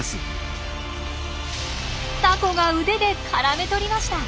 タコが腕でからめとりました！